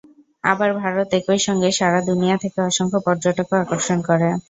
আবার ভারত একই সঙ্গে সারা দুনিয়া থেকে অসংখ্য পর্যটকও আকর্ষণ করে।